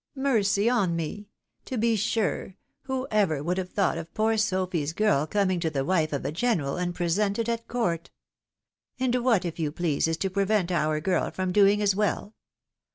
Mercy on me !— To be sure, who ever would have thought of poor Sophy's girl coming to be the wife of a general, and presented at court ? And what, if you please, is to prevent our girl from doing as well